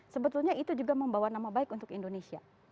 sebetulnya itu juga membawa nama baik untuk indonesia